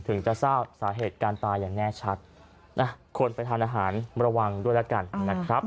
ถึงจะทราบสาเหตุการตายอย่างแน่ชัดนะคนไปทานอาหารระวังด้วยแล้วกันนะครับ